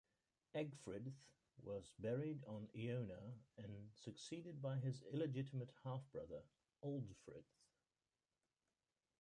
Ecgfrith was buried on Iona and succeeded by his illegitimate half-brother, Aldfrith.